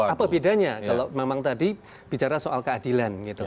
apa bedanya kalau memang tadi bicara soal keadilan gitu